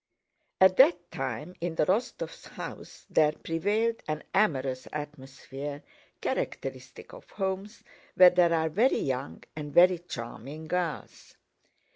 At that time in the Rostóvs' house there prevailed an amorous atmosphere characteristic of homes where there are very young and very charming girls.